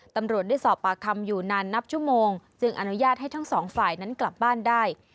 ตำรวจได้สอบปากคำอยู่นานนับชั่วโมงจึงอนุญาตให้ทั้งสองฝ่ายนั้นกลับบ้านได้